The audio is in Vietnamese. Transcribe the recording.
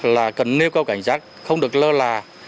là cần nêu cao cảnh giác không được lơ là